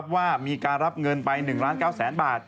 ว่ามีการรับเงินไป๑๙๐๐๐๐๐บาท